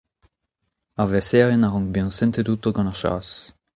ar vêsaerien a rank bezañ sentet outo gant ar chas.